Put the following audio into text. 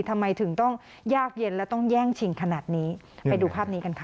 ทำไมถึงต้องยากเย็นและต้องแย่งชิงขนาดนี้ไปดูภาพนี้กันค่ะ